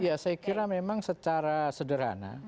ya saya kira memang secara sederhana